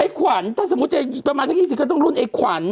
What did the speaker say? ขวัญถ้าสมมุติจะประมาณสัก๒๐ก็ต้องรุ่นไอ้ขวัญ